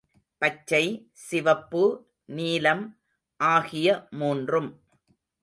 பச்சை, சிவப்பு, நீலம் ஆகிய மூன்றும்.